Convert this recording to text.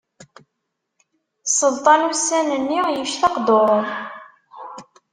Sselṭan ussan-nni yectaq duṛu.